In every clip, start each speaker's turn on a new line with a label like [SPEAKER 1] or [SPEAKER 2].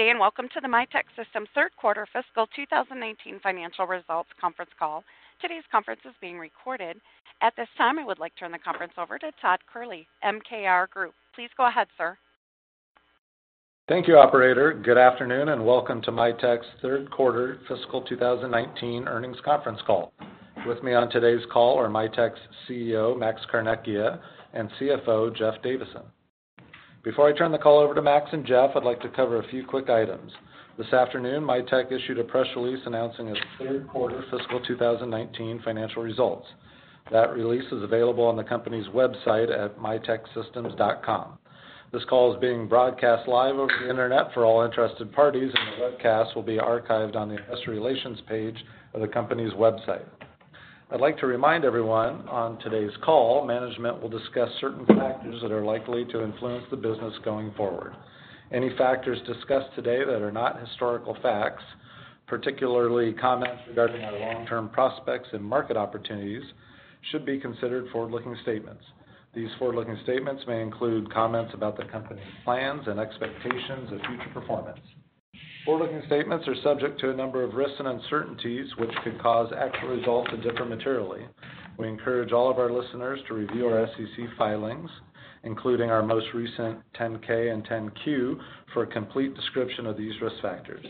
[SPEAKER 1] Good day, and welcome to the Mitek Systems third quarter fiscal 2019 financial results conference call. Today's conference is being recorded. At this time, I would like to turn the conference over to Todd Kehrli, MKR Group. Please go ahead, sir.
[SPEAKER 2] Thank you, operator. Good afternoon, welcome to Mitek's third quarter fiscal 2019 earnings conference call. With me on today's call are Mitek's CEO, Max Carnecchia, and CFO, Jeff Davison. Before I turn the call over to Max and Jeff, I'd like to cover a few quick items. This afternoon, Mitek issued a press release announcing its third quarter fiscal 2019 financial results. That release is available on the company's website at miteksystems.com. This call is being broadcast live over the internet for all interested parties, the webcast will be archived on the investor relations page of the company's website. I'd like to remind everyone on today's call, management will discuss certain factors that are likely to influence the business going forward. Any factors discussed today that are not historical facts, particularly comments regarding our long-term prospects and market opportunities, should be considered forward-looking statements. These forward-looking statements may include comments about the company's plans and expectations of future performance. Forward-looking statements are subject to a number of risks and uncertainties, which could cause actual results to differ materially. We encourage all of our listeners to review our SEC filings, including our most recent 10-K and 10-Q, for a complete description of these risk factors.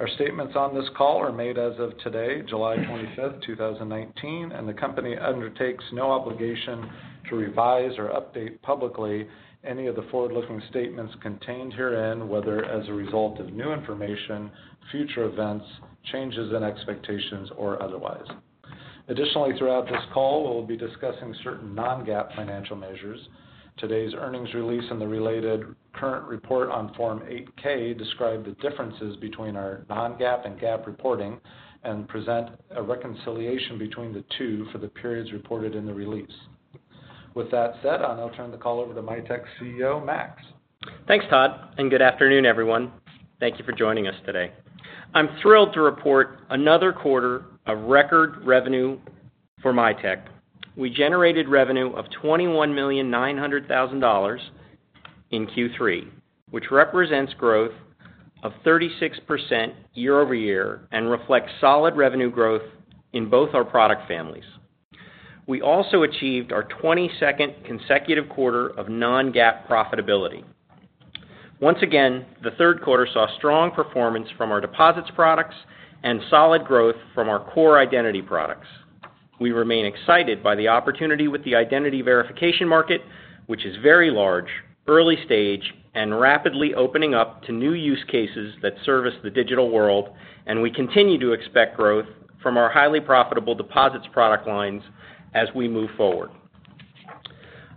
[SPEAKER 2] Our statements on this call are made as of today, July 25th, 2019, and the company undertakes no obligation to revise or update publicly any of the forward-looking statements contained herein, whether as a result of new information, future events, changes in expectations, or otherwise. Additionally, throughout this call, we'll be discussing certain non-GAAP financial measures. Today's earnings release and the related current report on Form 8-K describe the differences between our non-GAAP and GAAP reporting and present a reconciliation between the two for the periods reported in the release. With that said, I'll now turn the call over to Mitek's CEO, Max.
[SPEAKER 3] Thanks, Todd, and good afternoon, everyone. Thank you for joining us today. I'm thrilled to report another quarter of record revenue for Mitek. We generated revenue of $21,900,000 in Q3, which represents growth of 36% year-over-year and reflects solid revenue growth in both our product families. We also achieved our 22nd consecutive quarter of non-GAAP profitability. Once again, the third quarter saw strong performance from our deposits products and solid growth from our core identity products. We remain excited by the opportunity with the identity verification market, which is very large, early stage, and rapidly opening up to new use cases that service the digital world, and we continue to expect growth from our highly profitable deposits product lines as we move forward.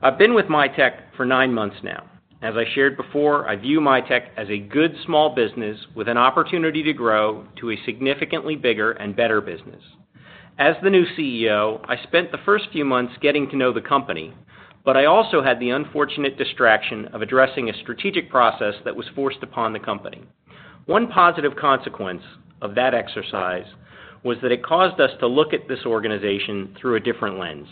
[SPEAKER 3] I've been with Mitek for nine months now. As I shared before, I view Mitek as a good small business with an opportunity to grow to a significantly bigger and better business. As the new CEO, I spent the first few months getting to know the company, but I also had the unfortunate distraction of addressing a strategic process that was forced upon the company. One positive consequence of that exercise was that it caused us to look at this organization through a different lens.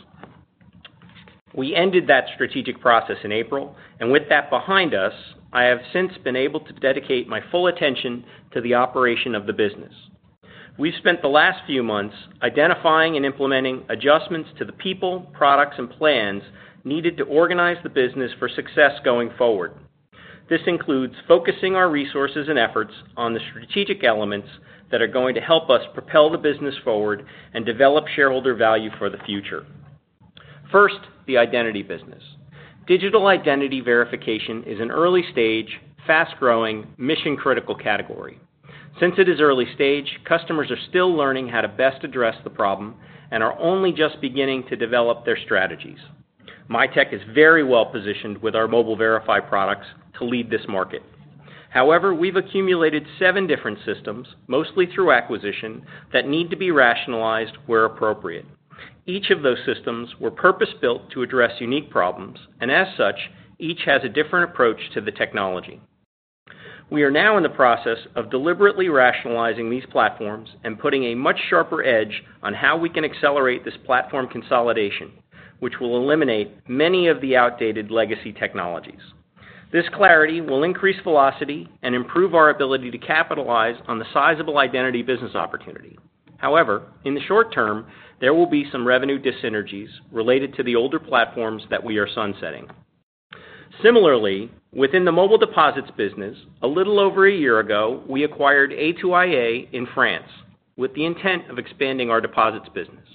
[SPEAKER 3] We ended that strategic process in April, and with that behind us, I have since been able to dedicate my full attention to the operation of the business. We've spent the last few months identifying and implementing adjustments to the people, products, and plans needed to organize the business for success going forward. This includes focusing our resources and efforts on the strategic elements that are going to help us propel the business forward and develop shareholder value for the future. First, the identity business. Digital identity verification is an early-stage, fast-growing, mission-critical category. Since it is early stage, customers are still learning how to best address the problem and are only just beginning to develop their strategies. Mitek is very well-positioned with our Mobile Verify products to lead this market. However, we've accumulated seven different systems, mostly through acquisition, that need to be rationalized where appropriate. Each of those systems were purpose-built to address unique problems, and as such, each has a different approach to the technology. We are now in the process of deliberately rationalizing these platforms and putting a much sharper edge on how we can accelerate this platform consolidation, which will eliminate many of the outdated legacy technologies. This clarity will increase velocity and improve our ability to capitalize on the sizable identity business opportunity. However, in the short term, there will be some revenue dyssynergies related to the older platforms that we are sunsetting. Similarly, within the mobile deposits business, a little over a year ago, we acquired A2iA in France with the intent of expanding our deposits business.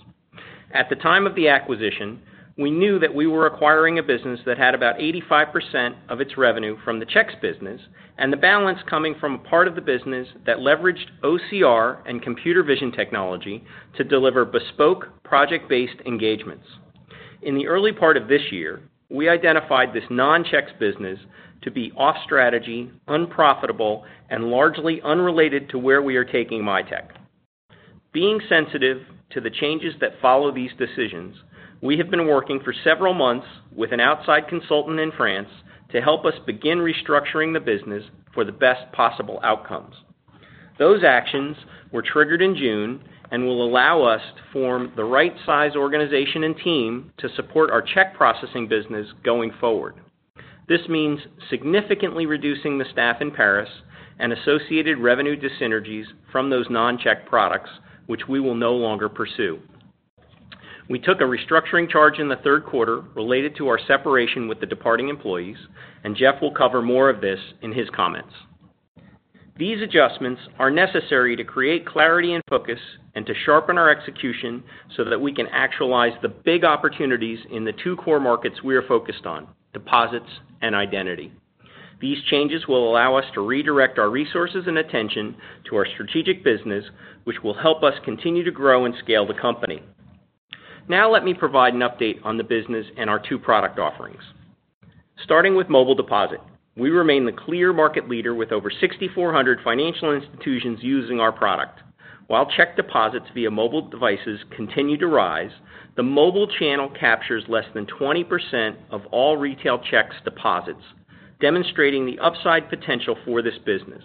[SPEAKER 3] At the time of the acquisition, we knew that we were acquiring a business that had about 85% of its revenue from the checks business and the balance coming from part of the business that leveraged OCR and computer vision technology to deliver bespoke project-based engagements. In the early part of this year, we identified this non-checks business to be off-strategy, unprofitable, and largely unrelated to where we are taking Mitek. Being sensitive to the changes that follow these decisions, we have been working for several months with an outside consultant in France to help us begin restructuring the business for the best possible outcomes. Those actions were triggered in June and will allow us to form the right size organization and team to support our check processing business going forward. This means significantly reducing the staff in Paris and associated revenue dyssynergies from those non-check products, which we will no longer pursue. We took a restructuring charge in the third quarter related to our separation with the departing employees, and Jeff will cover more of this in his comments. These adjustments are necessary to create clarity and focus and to sharpen our execution so that we can actualize the big opportunities in the two core markets we are focused on, deposits and identity. These changes will allow us to redirect our resources and attention to our strategic business, which will help us continue to grow and scale the company. Let me provide an update on the business and our two product offerings. Starting with Mobile Deposit, we remain the clear market leader with over 6,400 financial institutions using our product. While check deposits via mobile devices continue to rise, the mobile channel captures less than 20% of all retail checks deposits, demonstrating the upside potential for this business.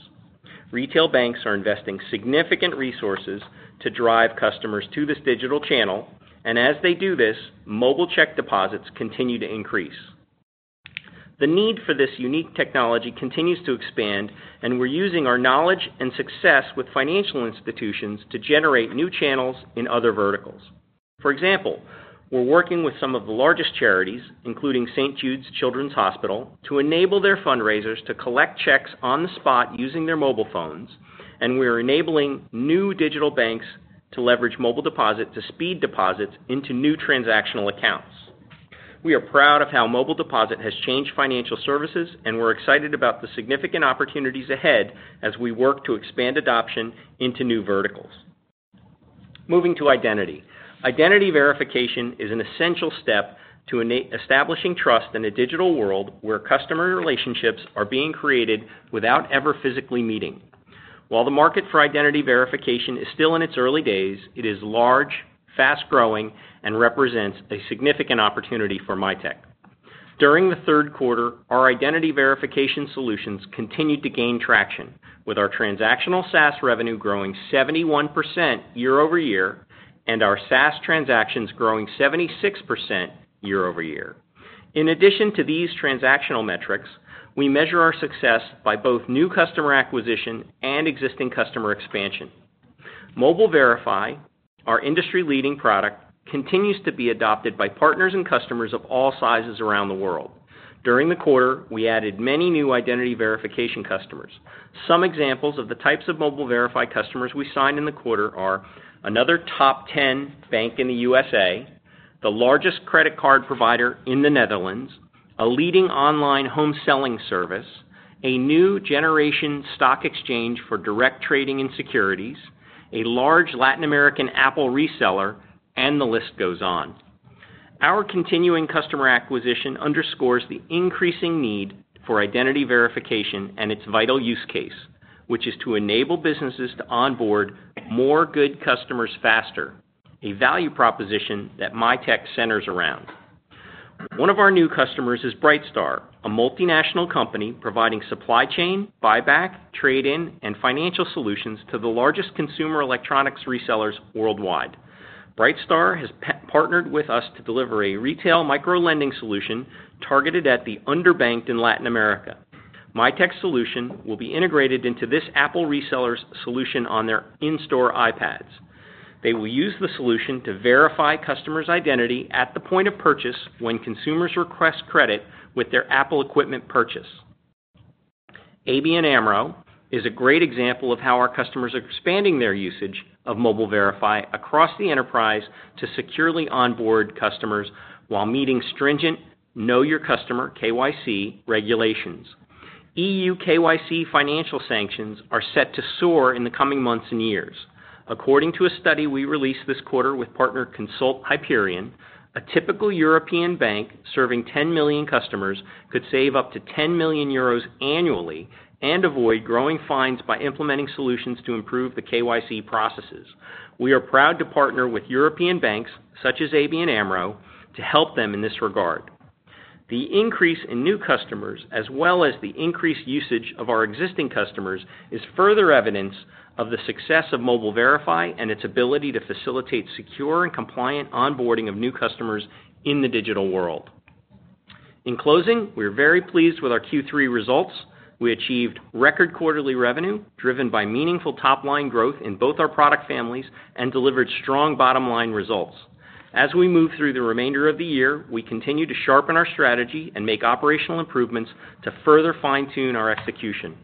[SPEAKER 3] Retail banks are investing significant resources to drive customers to this digital channel, and as they do this, mobile check deposits continue to increase. The need for this unique technology continues to expand, and we're using our knowledge and success with financial institutions to generate new channels in other verticals. For example, we're working with some of the largest charities, including St. Jude Children's Research Hospital, to enable their fundraisers to collect checks on the spot using their mobile phones, and we're enabling new digital banks to leverage Mobile Deposit to speed deposits into new transactional accounts. We are proud of how Mobile Deposit has changed financial services, and we're excited about the significant opportunities ahead as we work to expand adoption into new verticals. Moving to identity. Identity verification is an essential step to establishing trust in a digital world where customer relationships are being created without ever physically meeting. While the market for identity verification is still in its early days, it is large, fast-growing, and represents a significant opportunity for Mitek. During the third quarter, our identity verification solutions continued to gain traction, with our transactional SaaS revenue growing 71% year-over-year and our SaaS transactions growing 76% year-over-year. In addition to these transactional metrics, we measure our success by both new customer acquisition and existing customer expansion. Mobile Verify, our industry-leading product, continues to be adopted by partners and customers of all sizes around the world. During the quarter, we added many new identity verification customers. Some examples of the types of Mobile Verify customers we signed in the quarter are another top 10 bank in the USA, the largest credit card provider in the Netherlands, a leading online home selling service, a new generation stock exchange for direct trading in securities, a large Latin American Apple reseller, and the list goes on. Our continuing customer acquisition underscores the increasing need for identity verification and its vital use case, which is to enable businesses to onboard more good customers faster, a value proposition that Mitek centers around. One of our new customers is Brightstar, a multinational company providing supply chain, buyback, trade-in, and financial solutions to the largest consumer electronics resellers worldwide. Brightstar has partnered with us to deliver a retail micro-lending solution targeted at the underbanked in Latin America. Mitek's solution will be integrated into this Apple reseller's solution on their in-store iPads. They will use the solution to verify customers' identity at the point of purchase when consumers request credit with their Apple equipment purchase. ABN AMRO is a great example of how our customers are expanding their usage of Mobile Verify across the enterprise to securely onboard customers while meeting stringent Know Your Customer, KYC regulations. EU KYC financial sanctions are set to soar in the coming months and years. According to a study we released this quarter with partner Consult Hyperion, a typical European bank serving 10 million customers could save up to €10 million annually and avoid growing fines by implementing solutions to improve the KYC processes. We are proud to partner with European banks, such as ABN AMRO, to help them in this regard. The increase in new customers, as well as the increased usage of our existing customers, is further evidence of the success of Mobile Verify and its ability to facilitate secure and compliant onboarding of new customers in the digital world. In closing, we are very pleased with our Q3 results. We achieved record quarterly revenue driven by meaningful top-line growth in both our product families and delivered strong bottom-line results. As we move through the remainder of the year, we continue to sharpen our strategy and make operational improvements to further fine-tune our execution.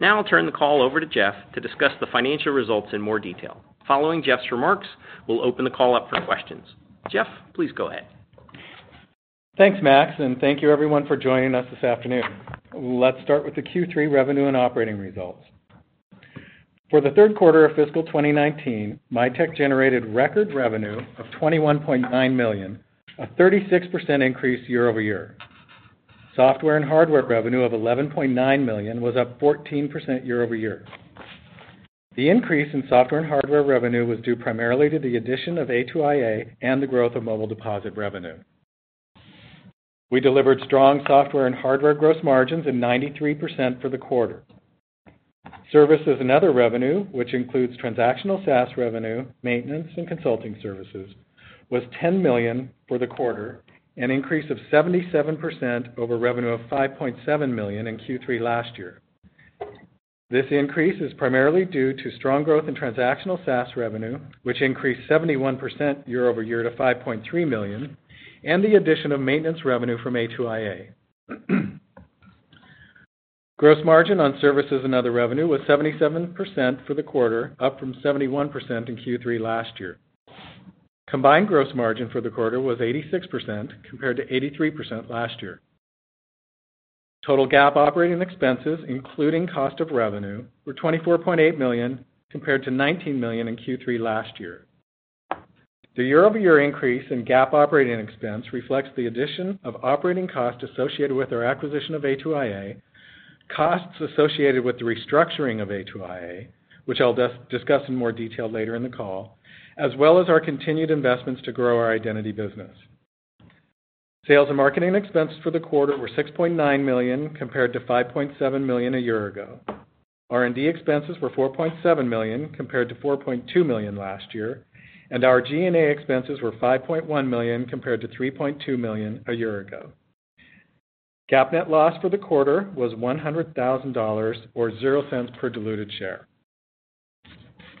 [SPEAKER 3] Now I'll turn the call over to Jeff to discuss the financial results in more detail. Following Jeff's remarks, we'll open the call up for questions. Jeff, please go ahead.
[SPEAKER 4] Thanks, Max. Thank you everyone for joining us this afternoon. Let's start with the Q3 revenue and operating results. For the third quarter of fiscal 2019, Mitek generated record revenue of $21.9 million, a 36% increase year-over-year. Software and hardware revenue of $11.9 million was up 14% year-over-year. The increase in software and hardware revenue was due primarily to the addition of A2iA and the growth of Mobile Deposit revenue. We delivered strong software and hardware gross margins of 93% for the quarter. Services and other revenue, which includes transactional SaaS revenue, maintenance, and consulting services, was $10 million for the quarter, an increase of 77% over revenue of $5.7 million in Q3 last year. This increase is primarily due to strong growth in transactional SaaS revenue, which increased 71% year-over-year to $5.3 million, and the addition of maintenance revenue from A2iA. Gross margin on services and other revenue was 77% for the quarter, up from 71% in Q3 last year. Combined gross margin for the quarter was 86%, compared to 83% last year. Total GAAP operating expenses, including cost of revenue, were $24.8 million, compared to $19 million in Q3 last year. The year-over-year increase in GAAP operating expense reflects the addition of operating costs associated with our acquisition of A2iA, costs associated with the restructuring of A2iA, which I'll discuss in more detail later in the call, as well as our continued investments to grow our identity business. Sales and marketing expenses for the quarter were $6.9 million, compared to $5.7 million a year ago. R&D expenses were $4.7 million, compared to $4.2 million last year, and our G&A expenses were $5.1 million, compared to $3.2 million a year ago. GAAP net loss for the quarter was $100,000, or $0.00 per diluted share.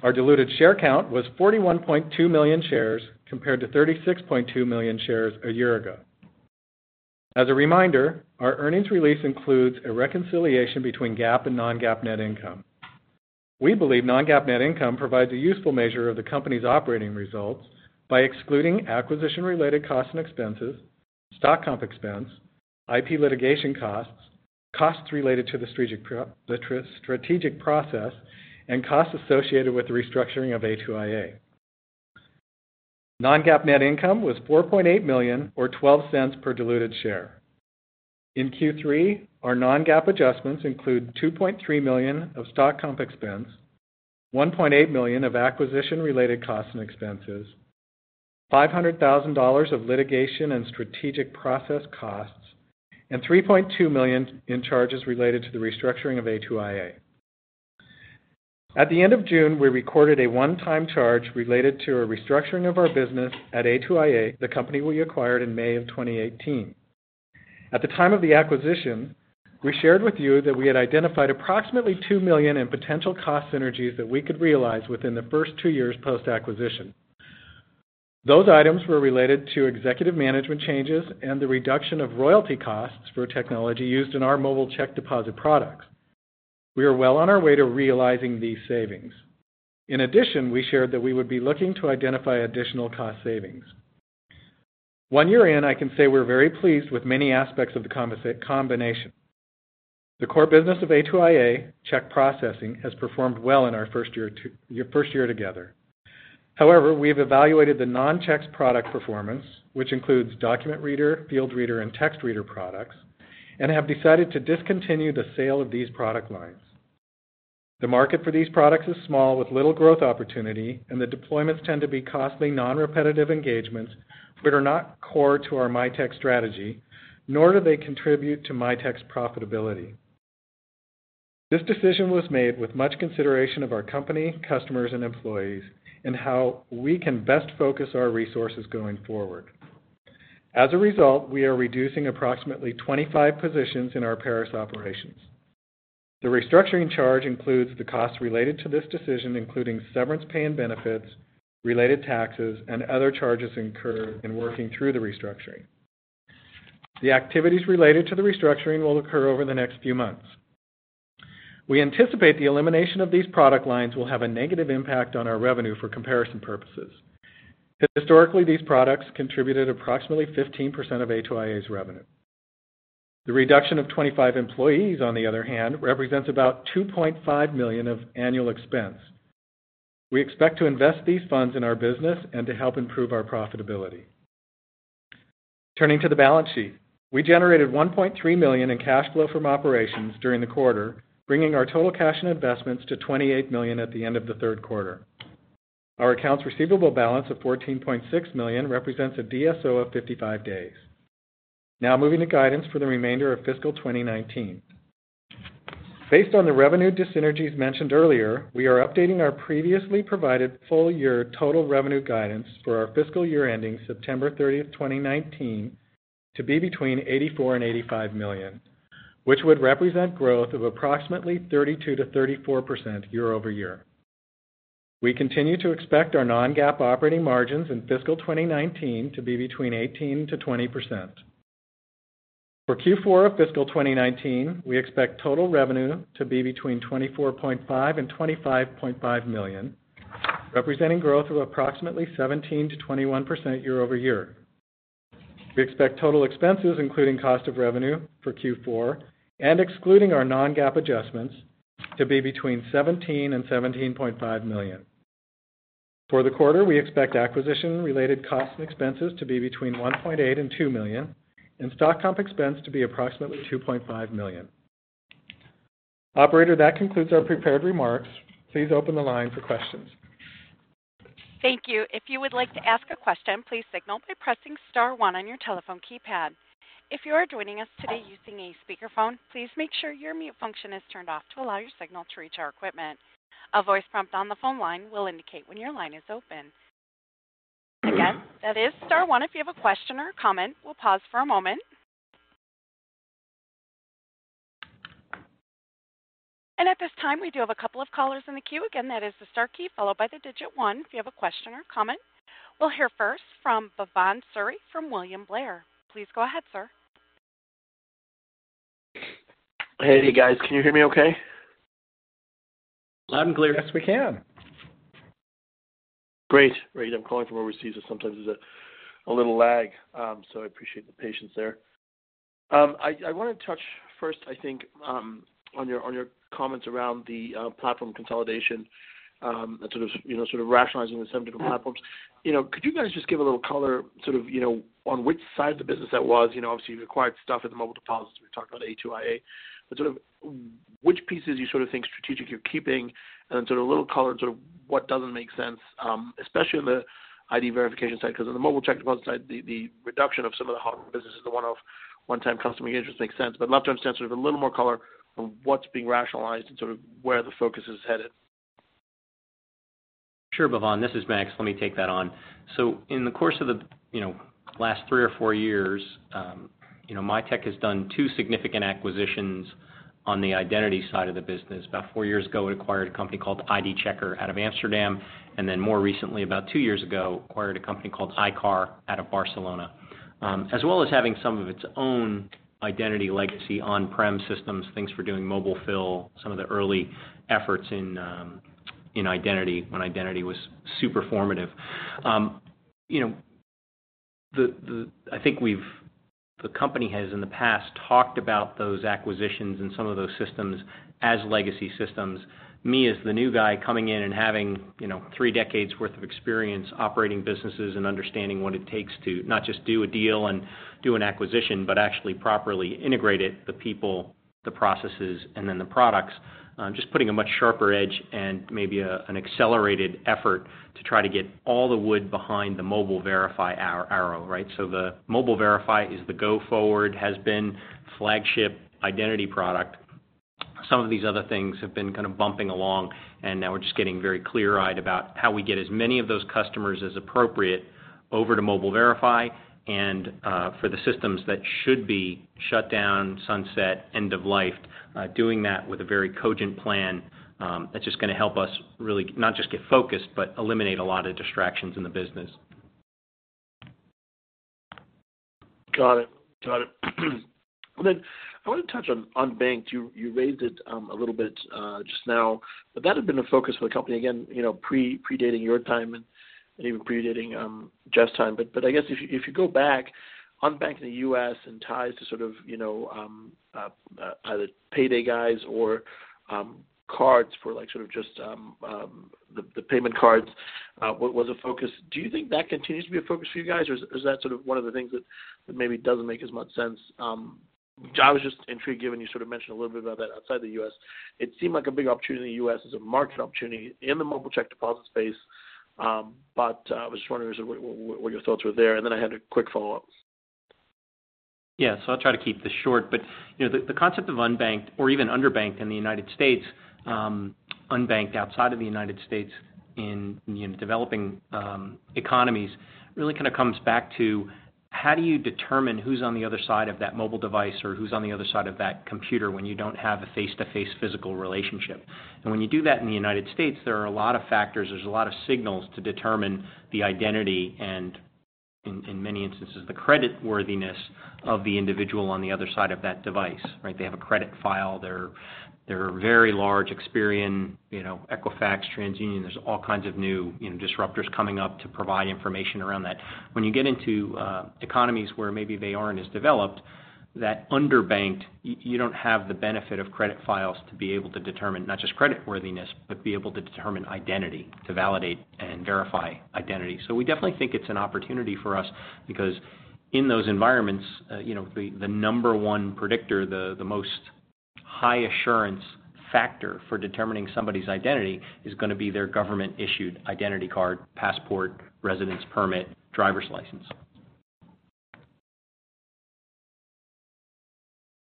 [SPEAKER 4] Our diluted share count was 41.2 million shares, compared to 36.2 million shares a year ago. As a reminder, our earnings release includes a reconciliation between GAAP and non-GAAP net income. We believe non-GAAP net income provides a useful measure of the company's operating results by excluding acquisition-related costs and expenses, stock comp expense, IP litigation costs related to the strategic process, and costs associated with the restructuring of A2iA. Non-GAAP net income was $4.8 million, or $0.12 per diluted share. In Q3, our non-GAAP adjustments include $2.3 million of stock comp expense, $1.8 million of acquisition-related costs and expenses, $500,000 of litigation and strategic process costs, and $3.2 million in charges related to the restructuring of A2iA. At the end of June, we recorded a one-time charge related to a restructuring of our business at A2iA, the company we acquired in May of 2018. At the time of the acquisition, we shared with you that we had identified approximately $2 million in potential cost synergies that we could realize within the first two years post-acquisition. Those items were related to executive management changes and the reduction of royalty costs for technology used in our Mobile Deposit products. We are well on our way to realizing these savings. In addition, we shared that we would be looking to identify additional cost savings. One year in, I can say we're very pleased with many aspects of the combination. The core business of A2iA, check processing, has performed well in our first year together. However, we have evaluated the non-checks product performance, which includes DocumentReader, FieldReader, and TextReader products, and have decided to discontinue the sale of these product lines. The market for these products is small with little growth opportunity, and the deployments tend to be costly, non-repetitive engagements that are not core to our Mitek strategy, nor do they contribute to Mitek's profitability. This decision was made with much consideration of our company, customers, and employees, and how we can best focus our resources going forward. As a result, we are reducing approximately 25 positions in our Paris operations. The restructuring charge includes the costs related to this decision, including severance pay and benefits, related taxes, and other charges incurred in working through the restructuring. The activities related to the restructuring will occur over the next few months. We anticipate the elimination of these product lines will have a negative impact on our revenue for comparison purposes. Historically, these products contributed approximately 15% of A2iA's revenue. The reduction of 25 employees, on the other hand, represents about $2.5 million of annual expense. We expect to invest these funds in our business and to help improve our profitability. Turning to the balance sheet. We generated $1.3 million in cash flow from operations during the quarter, bringing our total cash and investments to $28 million at the end of the third quarter. Our accounts receivable balance of $14.6 million represents a DSO of 55 days. Now moving to guidance for the remainder of fiscal 2019. Based on the revenue dyssynergies mentioned earlier, we are updating our previously provided full year total revenue guidance for our fiscal year ending September 30th, 2019, to be between $84 million and $85 million, which would represent growth of approximately 32%-34% year-over-year. We continue to expect our non-GAAP operating margins in fiscal 2019 to be between 18%-20%. For Q4 of fiscal 2019, we expect total revenue to be between $24.5 million and $25.5 million, representing growth of approximately 17%-21% year-over-year. We expect total expenses, including cost of revenue for Q4 and excluding our non-GAAP adjustments, to be between $17 million and $17.5 million. For the quarter, we expect acquisition-related costs and expenses to be between $1.8 million and $2 million, and stock comp expense to be approximately $2.5 million. Operator, that concludes our prepared remarks. Please open the line for questions.
[SPEAKER 1] Thank you. If you would like to ask a question, please signal by pressing star one on your telephone keypad. If you are joining us today using a speakerphone, please make sure your mute function is turned off to allow your signal to reach our equipment. A voice prompt on the phone line will indicate when your line is open. Again, that is star one if you have a question or comment. We'll pause for a moment. At this time, we do have a couple of callers in the queue. Again, that is the star key followed by the digit one, if you have a question or comment. We'll hear first from Bhavan Suri from William Blair. Please go ahead, sir.
[SPEAKER 5] Hey guys, can you hear me okay?
[SPEAKER 4] Loud and clear.
[SPEAKER 3] Yes, we can.
[SPEAKER 5] Great. I'm calling from overseas, so sometimes there's a little lag. I appreciate the patience there. I want to touch first, I think, on your comments around the platform consolidation, sort of rationalizing the 7 different platforms. Could you guys just give a little color on which side of the business that was? Obviously, you acquired stuff at the Mobile Deposit. We talked about A2iA. Which pieces do you think strategically you're keeping, and then a little color into what doesn't make sense, especially on the ID verification side? Because on the Mobile Deposit side, the reduction of some of the businesses, the one-time customer engagement makes sense. I'd love to understand with a little more color on what's being rationalized and where the focus is headed.
[SPEAKER 3] Sure, Bhavan. This is Max. Let me take that on. In the course of the last three or four years, Mitek has done two significant acquisitions on the identity side of the business. About four years ago, it acquired a company called IDchecker out of Amsterdam, and then more recently, about two years ago, acquired a company called ICAR out of Barcelona. As well as having some of its own identity legacy on-prem systems, things for doing Mobile Fill, some of the early efforts in identity when identity was super formative. I think the company has in the past talked about those acquisitions and some of those systems as legacy systems. Me as the new guy coming in and having 3 decades worth of experience operating businesses and understanding what it takes to not just do a deal and do an acquisition, but actually properly integrate it, the people, the processes, and then the products. Just putting a much sharper edge and maybe an accelerated effort to try to get all the wood behind the Mobile Verify arrow. The Mobile Verify is the go forward, has been flagship identity product. Some of these other things have been kind of bumping along, and now we're just getting very clear-eyed about how we get as many of those customers as appropriate over to Mobile Verify. For the systems that should be shut down, sunset, end of life, doing that with a very cogent plan, that's just going to help us really not just get focused, but eliminate a lot of distractions in the business.
[SPEAKER 5] Got it. I want to touch on unbanked. You raised it a little bit just now, but that had been a focus for the company, again, predating your time and even predating Jeff's time. I guess if you go back, unbanked in the U.S. and ties to either payday guys or cards for just the payment cards was a focus. Do you think that continues to be a focus for you guys? Is that one of the things that maybe doesn't make as much sense? I was just intrigued given you sort of mentioned a little bit about that outside the U.S. It seemed like a big opportunity in the U.S. as a market opportunity in the Mobile Deposit space. I was just wondering what your thoughts were there, and then I had a quick follow-up.
[SPEAKER 3] Yeah. I'll try to keep this short, but the concept of unbanked or even underbanked in the United States, unbanked outside of the United States in developing economies really comes back to how do you determine who's on the other side of that mobile device or who's on the other side of that computer when you don't have a face-to-face physical relationship? When you do that in the United States, there are a lot of factors, there's a lot of signals to determine the identity and, in many instances, the credit worthiness of the individual on the other side of that device. They have a credit file. There are very large Experian, Equifax, TransUnion. There's all kinds of new disruptors coming up to provide information around that. When you get into economies where maybe they aren't as developed, that underbanked, you don't have the benefit of credit files to be able to determine not just credit worthiness, but be able to determine identity, to validate and verify identity. We definitely think it's an opportunity for us because in those environments, the number one predictor, the most high assurance factor for determining somebody's identity is going to be their government-issued identity card, passport, residence permit, driver's license.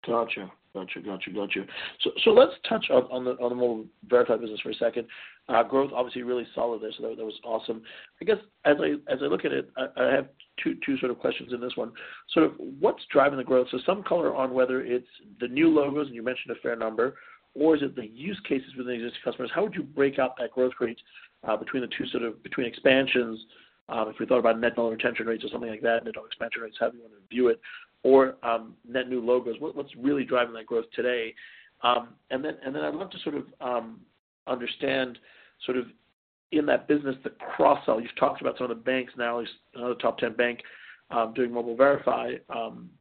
[SPEAKER 5] Got you. Let's touch on the Mobile Verify business for a second. Growth obviously really solid there, so that was awesome. I guess as I look at it, I have two questions in this one. What's driving the growth? Some color on whether it's the new logos, and you mentioned a fair number, or is it the use cases with the existing customers. How would you break out that growth rate between expansions if we thought about net dollar retention rates or something like that, net dollar expansion rates, however you want to view it, or net new logos. What's really driving that growth today? Then I'd love to understand in that business, the cross-sell. You've talked about some of the banks. Now there's another top 10 bank doing Mobile Verify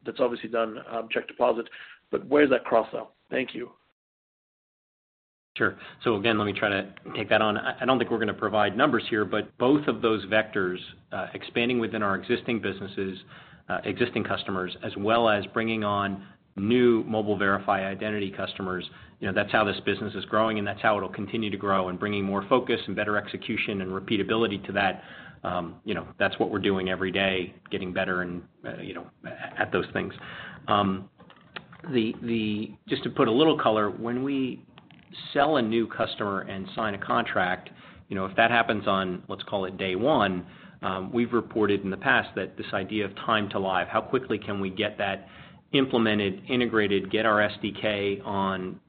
[SPEAKER 5] that's obviously done check deposit. Where is that cross-sell? Thank you.
[SPEAKER 3] Sure. Again, let me try to take that on. I don't think we're going to provide numbers here, but both of those vectors, expanding within our existing businesses, existing customers, as well as bringing on new Mobile Verify identity customers. That's how this business is growing, and that's how it'll continue to grow. Bringing more focus and better execution and repeatability to that's what we're doing every day, getting better at those things. Just to put a little color, when we sell a new customer and sign a contract, if that happens on, let's call it day one, we've reported in the past that this idea of time to live, how quickly can we get that implemented, integrated, get our SDK on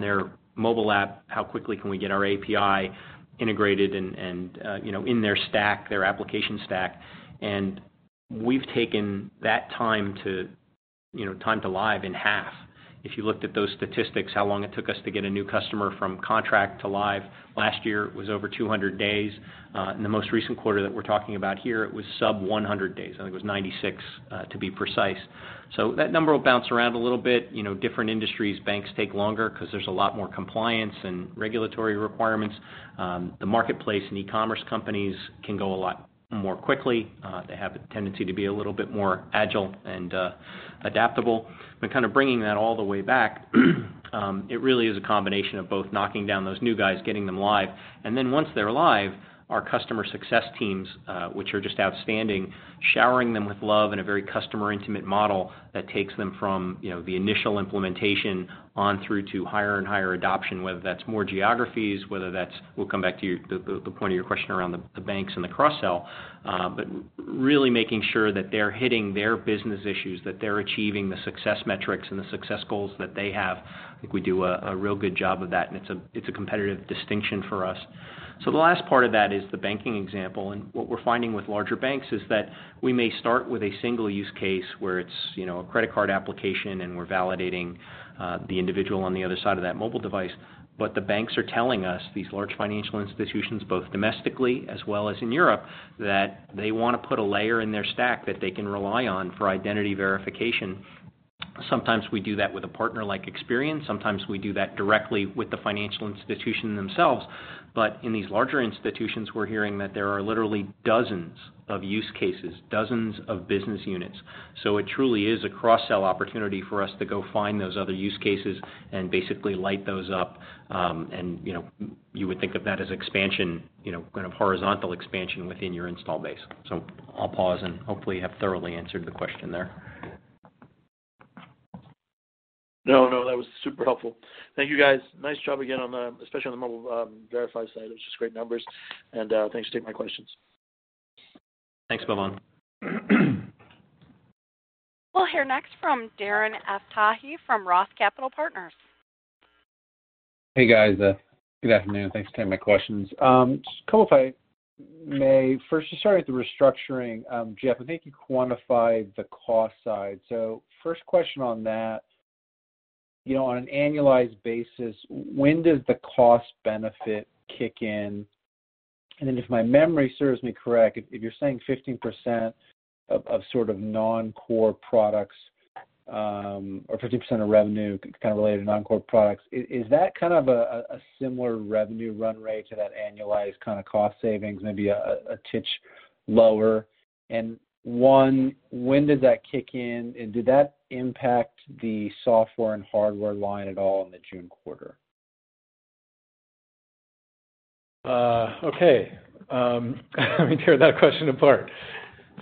[SPEAKER 3] their mobile app, how quickly can we get our API integrated and in their application stack? We've taken that time to live in half. If you looked at those statistics, how long it took us to get a new customer from contract to live, last year it was over 200 days. In the most recent quarter that we're talking about here, it was sub 100 days. I think it was 96 to be precise. That number will bounce around a little bit. Different industries, banks take longer because there's a lot more compliance and regulatory requirements. The marketplace and e-commerce companies can go a lot more quickly. They have the tendency to be a little bit more agile and adaptable. Kind of bringing that all the way back, it really is a combination of both knocking down those new guys, getting them live, and then once they're live, our customer success teams, which are just outstanding, showering them with love in a very customer intimate model that takes them from the initial implementation on through to higher and higher adoption, whether that's more geographies, whether that's, we'll come back to the point of your question around the banks and the cross-sell. Really making sure that they're hitting their business issues, that they're achieving the success metrics and the success goals that they have. I think we do a real good job of that, and it's a competitive distinction for us. The last part of that is the banking example. What we're finding with larger banks is that we may start with a single use case where it's a credit card application and we're validating the individual on the other side of that mobile device. The banks are telling us, these large financial institutions, both domestically as well as in Europe, that they want to put a layer in their stack that they can rely on for identity verification. Sometimes we do that with a partner like Experian. Sometimes we do that directly with the financial institution themselves. In these larger institutions, we're hearing that there are literally dozens of use cases, dozens of business units. It truly is a cross-sell opportunity for us to go find those other use cases and basically light those up. You would think of that as expansion, kind of horizontal expansion within your install base. I'll pause and hopefully have thoroughly answered the question there.
[SPEAKER 5] No, that was super helpful. Thank you guys. Nice job again, especially on the Mobile Verify side. It was just great numbers and thanks for taking my questions.
[SPEAKER 3] Thanks, Bhavan.
[SPEAKER 1] We'll hear next from Darren Aftahi from Roth Capital Partners.
[SPEAKER 6] Hey, guys. Good afternoon. Thanks for taking my questions. Just a couple if I may. First, starting with the restructuring. Jeff, I think you quantified the cost side. First question on that, on an annualized basis, when does the cost benefit kick in? If my memory serves me correct, if you're saying 15% of sort of non-core products or 15% of revenue kind of related to non-core products, is that kind of a similar revenue run rate to that annualized kind of cost savings, maybe a titch lower? When does that kick in, and did that impact the software and hardware line at all in the June quarter?
[SPEAKER 4] Okay. Let me tear that question apart.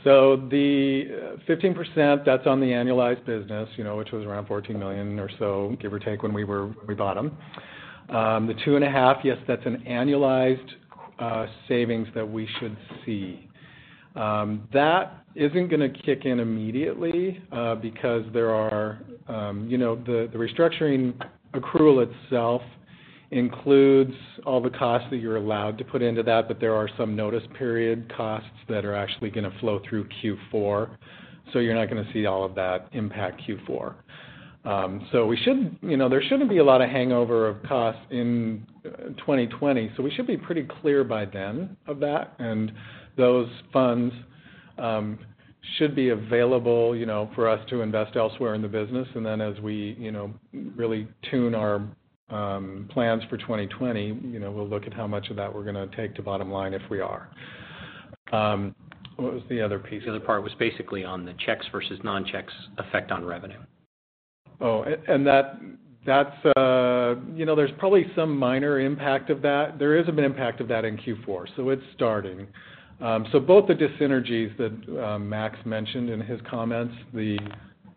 [SPEAKER 4] The 15%, that's on the annualized business which was around $14 million or so, give or take, when we bought them. The two and a half, yes, that's an annualized savings that we should see. That isn't going to kick in immediately because the restructuring accrual itself includes all the costs that you're allowed to put into that, but there are some notice period costs that are actually going to flow through Q4. You're not going to see all of that impact Q4. There shouldn't be a lot of hangover of costs in 2020, so we should be pretty clear by then of that, and those funds should be available for us to invest elsewhere in the business. As we really tune our plans for 2020, we'll look at how much of that we're going to take to bottom line if we are. What was the other piece?
[SPEAKER 3] The other part was basically on the checks versus non-checks effect on revenue.
[SPEAKER 4] There's probably some minor impact of that. There is an impact of that in Q4, so it's starting. Both the dyssynergies that Max mentioned in his comments, the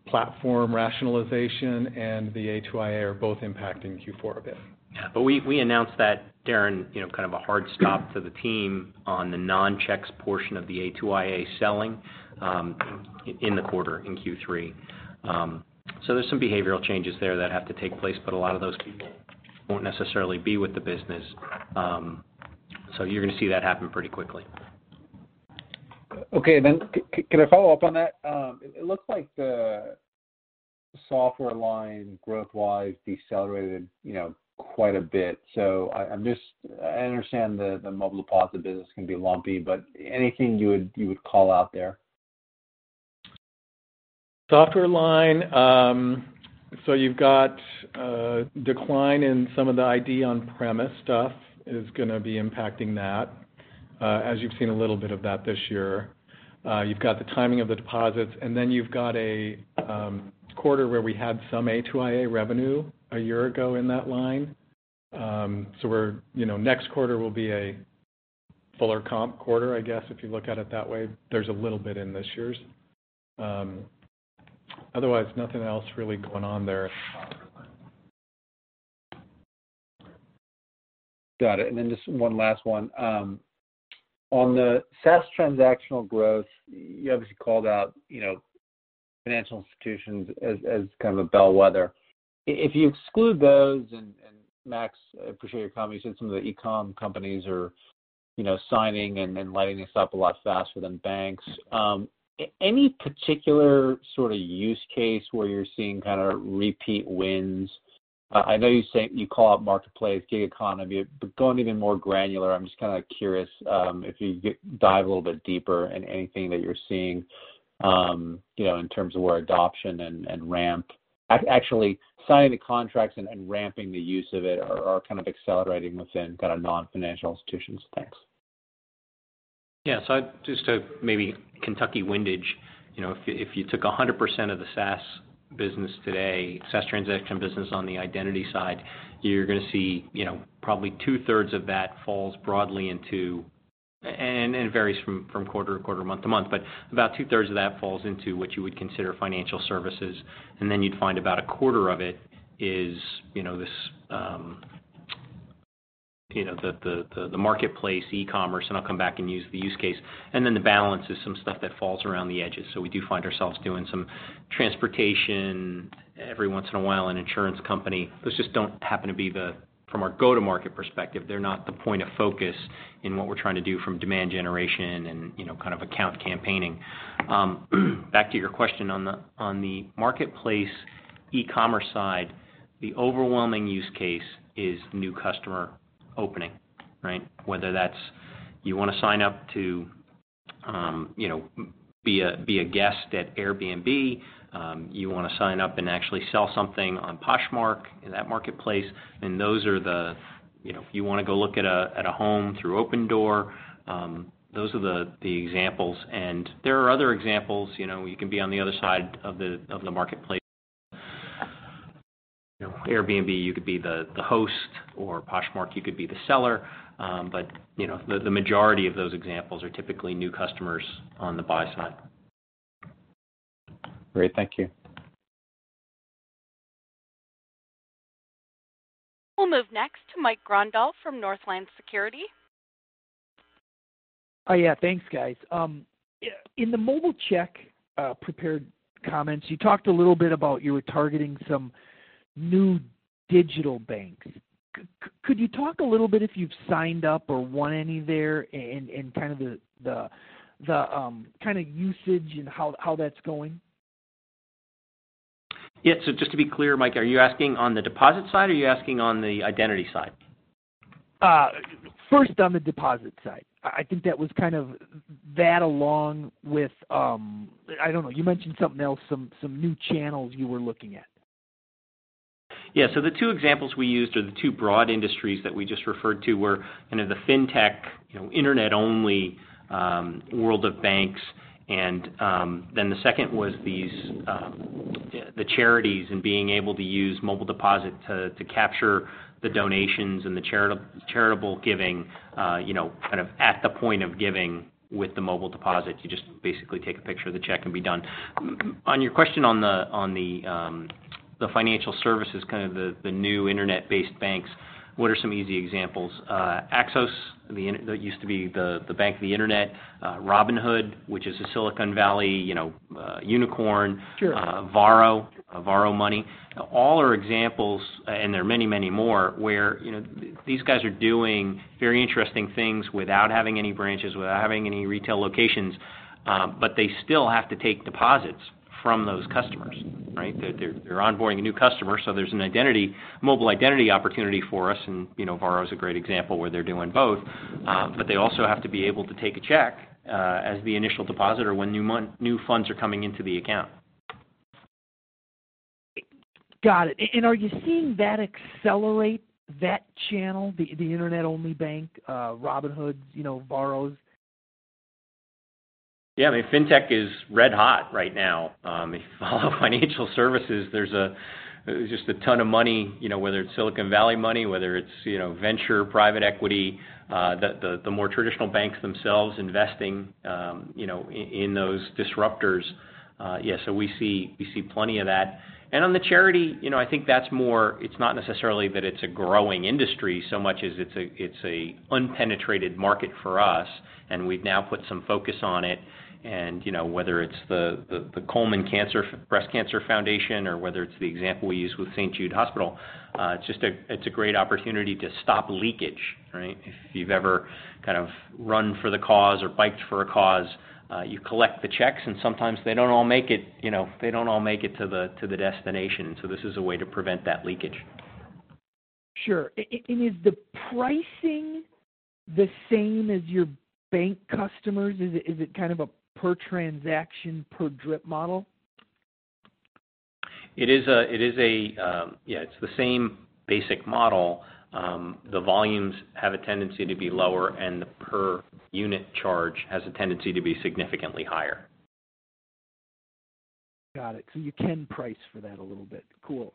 [SPEAKER 4] platform rationalization, and the A2iA are both impacting Q4 a bit.
[SPEAKER 3] We announced that, Darren, kind of a hard stop to the team on the non-checks portion of the A2iA selling in the quarter in Q3. There's some behavioral changes there that have to take place, but a lot of those people won't necessarily be with the business. You're going to see that happen pretty quickly.
[SPEAKER 6] Okay. Can I follow up on that? It looks like the software line growth-wise decelerated quite a bit. I understand the Mobile Deposit business can be lumpy, but anything you would call out there?
[SPEAKER 4] Software line. You've got a decline in some of the ID on-premise stuff is going to be impacting that, as you've seen a little bit of that this year. You've got the timing of the deposits, you've got a quarter where we had some A2iA revenue a year ago in that line. Next quarter will be a fuller comp quarter, I guess, if you look at it that way. There's a little bit in this year's. Otherwise, nothing else really going on there.
[SPEAKER 6] Got it. Just one last one. On the SaaS transactional growth, you obviously called out financial institutions as kind of a bellwether. If you exclude those, Max, I appreciate your comment, you said some of the e-com companies are signing and lighting this up a lot faster than banks. Any particular sort of use case where you're seeing kind of repeat wins? I know you call out marketplace, gig economy, going even more granular, I'm just kind of curious if you could dive a little bit deeper in anything that you're seeing in terms of where adoption and ramp, actually signing the contracts and ramping the use of it are kind of accelerating within kind of non-financial institutions. Thanks.
[SPEAKER 3] Just to maybe Kentucky windage, if you took 100% of the SaaS business today, SaaS transaction business on the identity side, you're going to see probably two-thirds of that falls broadly into, and varies from quarter to quarter, month to month, but about two-thirds of that falls into what you would consider financial services. You'd find about a quarter of it is the marketplace e-commerce, and I'll come back and use the use case. The balance is some stuff that falls around the edges. We do find ourselves doing some transportation, every once in a while an insurance company. Those just don't happen to be the, from our go-to-market perspective, they're not the point of focus in what we're trying to do from demand generation and kind of account campaigning. Back to your question on the marketplace e-commerce side, the overwhelming use case is new customer opening, right? Whether that's you want to sign up to be a guest at Airbnb, you want to sign up and actually sell something on Poshmark in that marketplace. If you want to go look at a home through Opendoor, those are the examples. There are other examples. You can be on the other side of the marketplace. Airbnb, you could be the host, or Poshmark, you could be the seller. The majority of those examples are typically new customers on the buy side.
[SPEAKER 6] Great. Thank you.
[SPEAKER 1] We'll move next to Mike Grondahl from Northland Securities.
[SPEAKER 7] Yeah. Thanks, guys. In the mobile check prepared comments, you talked a little bit about you were targeting some new digital banks. Could you talk a little bit if you've signed up or won any there and kind of the usage and how that's going?
[SPEAKER 3] Yeah. Just to be clear, Mike, are you asking on the deposit side, or are you asking on the identity side?
[SPEAKER 7] First on the deposit side. I think that was kind of that along with, I don't know, you mentioned something else, some new channels you were looking at.
[SPEAKER 3] The two examples we used or the two broad industries that we just referred to were kind of the fintech, internet-only world of banks, and then the second was the charities and being able to use Mobile Deposit to capture the donations and the charitable giving kind of at the point of giving with the Mobile Deposit. You just basically take a picture of the check and be done. On your question on the financial services, kind of the new internet-based banks, what are some easy examples? Axos, that used to be the bank of the internet. Robinhood, which is a Silicon Valley unicorn.
[SPEAKER 7] Sure.
[SPEAKER 3] Varo Money. All are examples. There are many more, where these guys are doing very interesting things without having any branches, without having any retail locations. They still have to take deposits from those customers, right? They're onboarding a new customer, so there's a mobile identity opportunity for us, and Varo is a great example where they're doing both. They also have to be able to take a check as the initial depositor when new funds are coming into the account.
[SPEAKER 7] Got it. Are you seeing that accelerate that channel, the internet-only bank, Robinhoods, Varos?
[SPEAKER 3] Yeah. Fintech is red hot right now. If you follow financial services, there's just a ton of money, whether it's Silicon Valley money, whether it's venture private equity, the more traditional banks themselves investing in those disruptors. Yeah. We see plenty of that. On the charity, I think that's more, it's not necessarily that it's a growing industry so much as it's an unpenetrated market for us, and we've now put some focus on it. Whether it's the Komen Breast Cancer Foundation or whether it's the example we used with St. Jude Hospital, it's a great opportunity to stop leakage, right? If you've ever kind of run for the cause or biked for a cause, you collect the checks and sometimes they don't all make it to the destination. This is a way to prevent that leakage.
[SPEAKER 7] Sure. Is the pricing the same as your bank customers? Is it kind of a per transaction, per drip model?
[SPEAKER 3] It's the same basic model. The volumes have a tendency to be lower and the per unit charge has a tendency to be significantly higher.
[SPEAKER 7] Got it. You can price for that a little bit. Cool.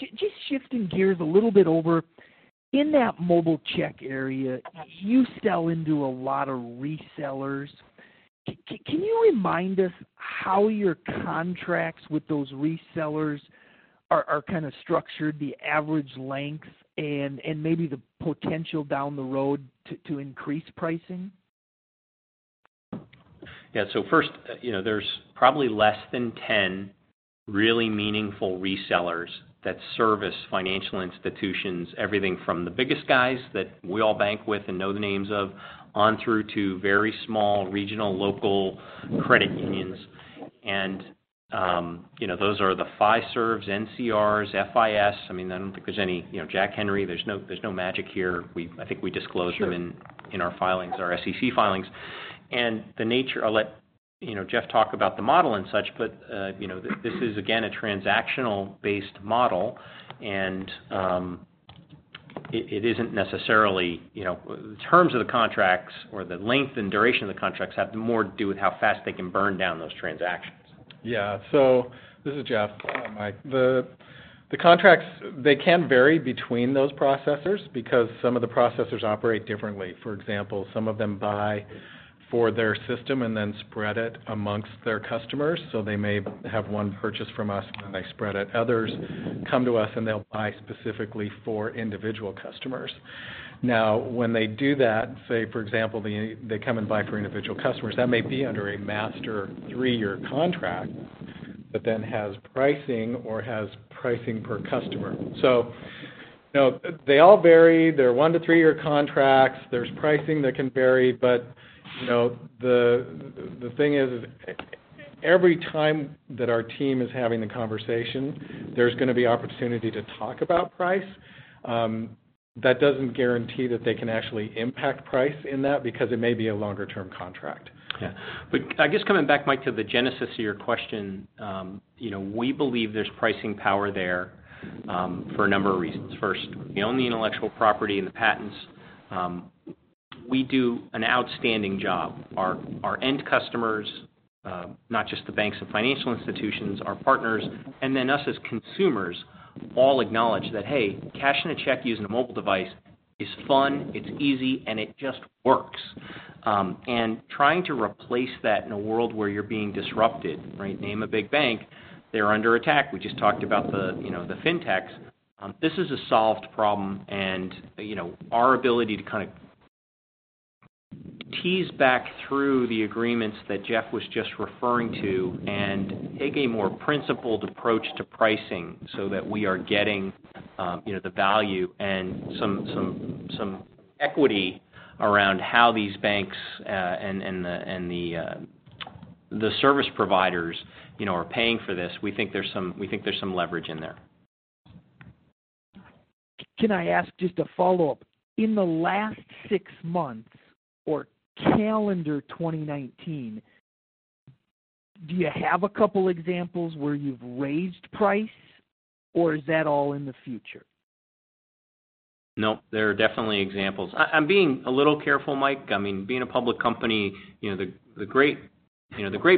[SPEAKER 7] Just shifting gears a little bit over. In that mobile check area, you sell into a lot of resellers. Can you remind us how your contracts with those resellers are structured, the average lengths and maybe the potential down the road to increase pricing?
[SPEAKER 3] Yeah. First, there's probably less than 10 really meaningful resellers that service financial institutions. Everything from the biggest guys that we all bank with and know the names of, on through to very small regional, local credit unions. Those are the Fiserv, NCR, FIS, Jack Henry. There's no magic here. I think we disclose them.
[SPEAKER 7] Sure
[SPEAKER 3] in our SEC filings. I'll let Jeff talk about the model and such, but this is again, a transactional based model and it isn't necessarily the terms of the contracts or the length and duration of the contracts have more to do with how fast they can burn down those transactions.
[SPEAKER 4] This is Jeff. The contracts can vary between those processors because some of the processors operate differently. For example, some of them buy for their system and then spread it amongst their customers. They may have one purchase from us and then they spread it. Others come to us and they'll buy specifically for individual customers. When they do that, say for example, they come and buy for individual customers, that may be under a master three-year contract, has pricing or has pricing per customer. No, they all vary. They're one to three-year contracts. There's pricing that can vary. The thing is, every time that our team is having the conversation, there's going to be opportunity to talk about price. That doesn't guarantee that they can actually impact price in that because it may be a longer-term contract.
[SPEAKER 3] Yeah. I guess coming back, Mike, to the genesis of your question, we believe there's pricing power there for a number of reasons. First, we own the intellectual property and the patents. We do an outstanding job. Our end customers, not just the banks and financial institutions, our partners, and then us as consumers all acknowledge that, hey, cashing a check using a mobile device is fun, it's easy, and it just works. Trying to replace that in a world where you're being disrupted, right, name a big bank, they're under attack. We just talked about the fintechs. This is a solved problem and our ability to kind of tease back through the agreements that Jeff was just referring to and take a more principled approach to pricing so that we are getting the value and some equity around how these banks and the service providers are paying for this. We think there's some leverage in there.
[SPEAKER 7] Can I ask just a follow-up? In the last six months or calendar 2019, do you have a couple examples where you've raised price or is that all in the future?
[SPEAKER 3] There are definitely examples. I'm being a little careful, Mike. Being a public company, the great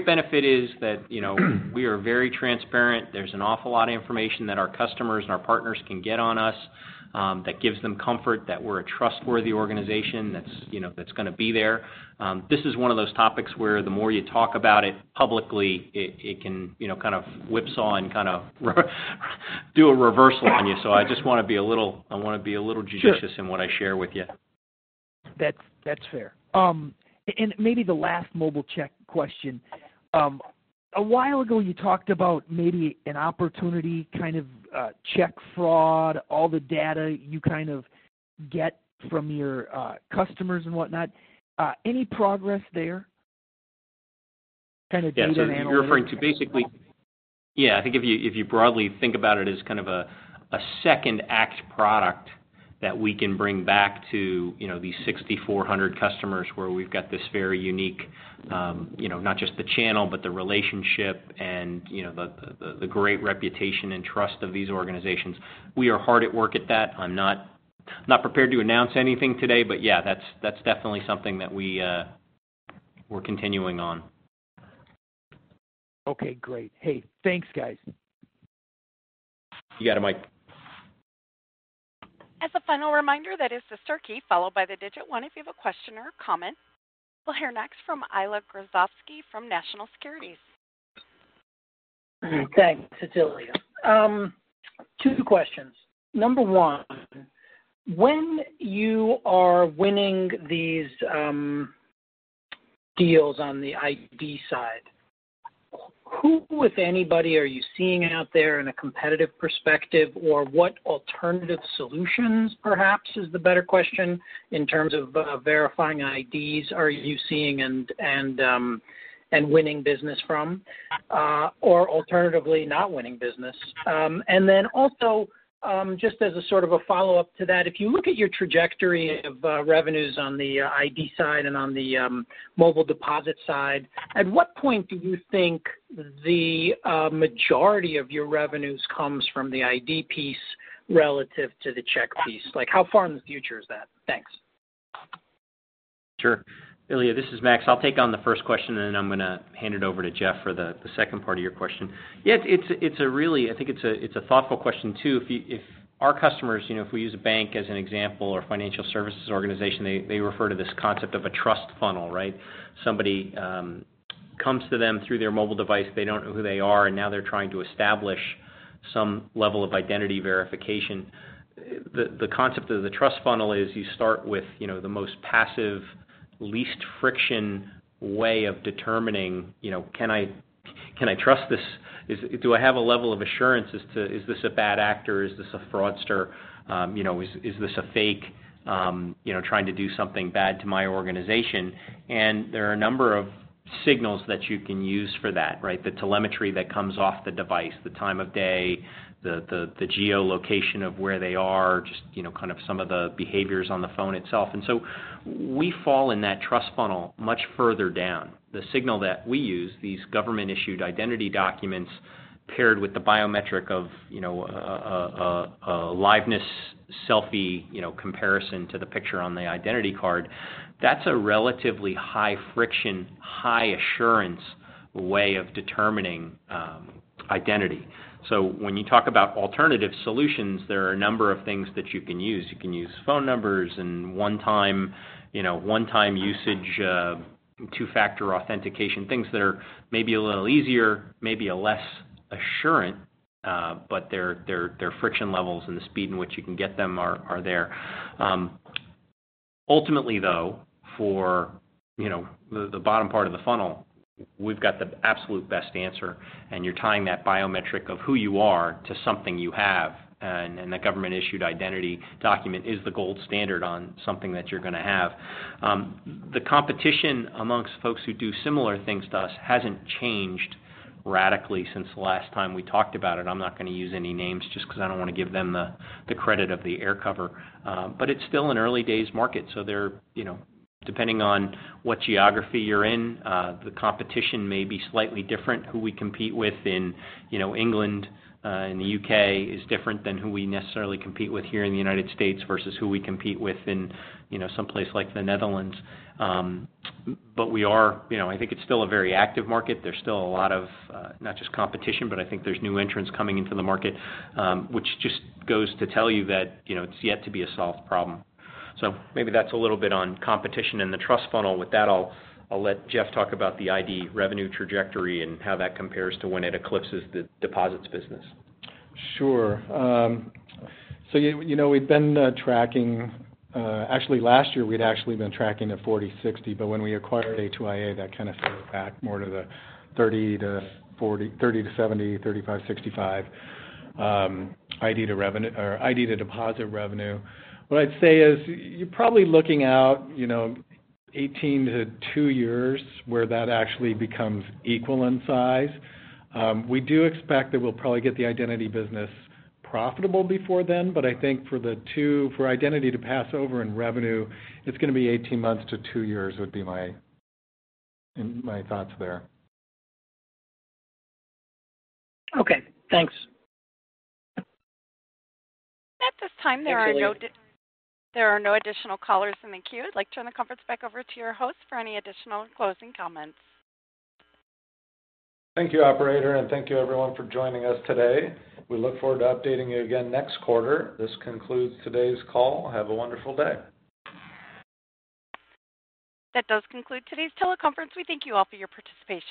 [SPEAKER 3] benefit is that we are very transparent. There's an awful lot of information that our customers and our partners can get on us that gives them comfort that we're a trustworthy organization that's going to be there. This is one of those topics where the more you talk about it publicly, it can kind of whipsaw and kind of do a reversal on you. I just want to be a little judicious.
[SPEAKER 7] Sure
[SPEAKER 3] in what I share with you.
[SPEAKER 7] That's fair. Maybe the last mobile check question. A while ago you talked about maybe an opportunity kind of check fraud, all the data you get from your customers and whatnot. Any progress there? Data analytics.
[SPEAKER 3] Yeah. I think if you broadly think about it as kind of a second act product that we can bring back to these 6,400 customers where we've got this very unique, not just the channel, but the relationship and the great reputation and trust of these organizations. We are hard at work at that. I'm not prepared to announce anything today, but yeah, that's definitely something that we're continuing on.
[SPEAKER 7] Okay, great. Hey, thanks guys.
[SPEAKER 3] You got it, Mike.
[SPEAKER 1] As a final reminder, that is the star key followed by the digit 1 if you have a question or comment. We'll hear next from Ilya Grozovsky from National Securities.
[SPEAKER 8] Thanks, It's Ilya. Two questions. Number one, when you are winning these deals on the ID side, who, if anybody, are you seeing out there in a competitive perspective or what alternative solutions perhaps is the better question in terms of verifying IDs are you seeing and winning business from, or alternatively not winning business. Then also, just as a sort of a follow-up to that, if you look at your trajectory of revenues on the ID side and on the Mobile Deposit side, at what point do you think the majority of your revenues comes from the ID piece relative to the check piece? How far in the future is that? Thanks.
[SPEAKER 3] Sure. Ilya, this is Max. I'll take on the first question, and then I'm going to hand it over to Jeff for the second part of your question. Yeah, I think it's a thoughtful question, too. If our customers, if we use a bank as an example, or financial services organization, they refer to this concept of a trust funnel, right? Somebody comes to them through their mobile device. They don't know who they are, and now they're trying to establish some level of identity verification. The concept of the trust funnel is you start with the most passive, least friction way of determining, can I trust this? Do I have a level of assurance as to, is this a bad actor? Is this a fraudster? Is this a fake trying to do something bad to my organization? There are a number of signals that you can use for that, right? The telemetry that comes off the device, the time of day, the geolocation of where they are, just kind of some of the behaviors on the phone itself. We fall in that trust funnel much further down. The signal that we use, these government-issued identity documents paired with the biometric of a liveness selfie comparison to the picture on the identity card, that's a relatively high friction, high assurance way of determining identity. When you talk about alternative solutions, there are a number of things that you can use. You can use phone numbers and one-time usage, two-factor authentication, things that are maybe a little easier, maybe less assured but their friction levels and the speed in which you can get them are there. Ultimately, for the bottom part of the funnel, we've got the absolute best answer. You're tying that biometric of who you are to something you have. The government-issued identity document is the gold standard on something that you're going to have. The competition amongst folks who do similar things to us hasn't changed radically since the last time we talked about it. I'm not going to use any names just because I don't want to give them the credit of the air cover. It's still an early days market. Depending on what geography you're in, the competition may be slightly different. Who we compete with in England, in the U.K. is different than who we necessarily compete with here in the U.S. versus who we compete with in someplace like the Netherlands. I think it's still a very active market. There's still a lot of, not just competition, but I think there's new entrants coming into the market which just goes to tell you that it's yet to be a solved problem. Maybe that's a little bit on competition and the trust funnel. With that, I'll let Jeff talk about the ID revenue trajectory and how that compares to when it eclipses the deposits business.
[SPEAKER 4] Sure. We've been tracking-- Actually, last year, we'd actually been tracking a 40/60, but when we acquired A2iA, that kind of fell back more to the 30 to 70, 35/65 ID to deposit revenue. What I'd say is you're probably looking out 18months to two years where that actually becomes equal in size. We do expect that we'll probably get the identity business profitable before then, but I think for identity to pass over in revenue, it's going to be 18 months to two years would be my thoughts there.
[SPEAKER 8] Okay, thanks.
[SPEAKER 1] At this time, there are no-.
[SPEAKER 8] Thanks, Julie.
[SPEAKER 1] There are no additional callers in the queue. I'd like to turn the conference back over to your host for any additional closing comments.
[SPEAKER 4] Thank you, operator. Thank you everyone for joining us today. We look forward to updating you again next quarter. This concludes today's call. Have a wonderful day.
[SPEAKER 1] That does conclude today's teleconference. We thank you all for your participation.